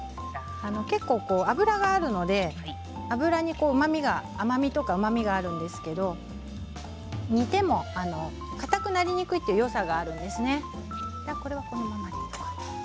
結構、脂があるので脂に甘みうまみがあるんですけれども煮てもかたくなりにくいというよさがあるんですね。